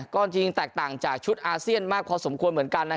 ก็จริงแตกต่างจากชุดอาเซียนมากพอสมควรเหมือนกัน